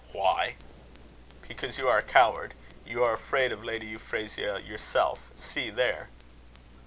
"Why?" "Because you are a coward. You are afraid of Lady Euphrasia yourself. See there!"